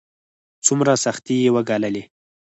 څومره سختۍ يې وګاللې.